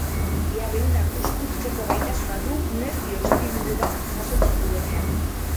Gihar-ehunak uzkurtzeko gaitasuna du nerbio estimulu bat jasotzen duenean.